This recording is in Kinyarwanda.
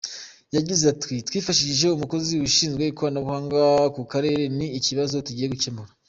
Yagize ati “Twifashishije umukozi ushinzwe ikoranabuhanga ku karere, ni ikibazo tugiye gukemura.